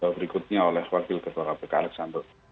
berikutnya oleh wakil ketua kpk alexander